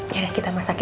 yaudah kita masak ya